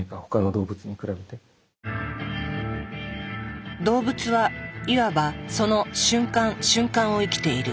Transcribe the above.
動物はいわばその瞬間瞬間を生きている。